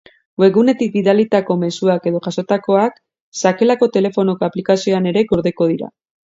Webgunetik bidalitako mezuak edo jasotakoak sakelako telefonoko aplikazioan ere gordeko dira.